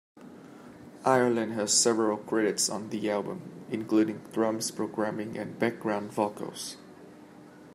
Ireland has several credits on the album, including drums, programming, and background vocals.